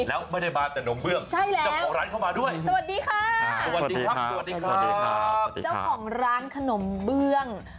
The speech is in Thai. แล้วไม่ได้มาแต่ขนมเบื้อง